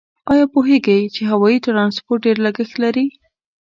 آیا پوهیږئ چې هوایي ترانسپورت ډېر لګښت لري؟